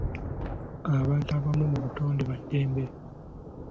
Abantu abamu mu butonde ba ddembe.